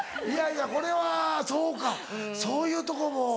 いやいやこれはそうかそういうとこも。